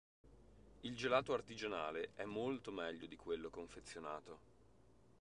Il gelato artigianale è molto meglio di quello confezionato.